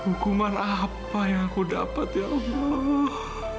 hukuman apa yang aku dapat ya allah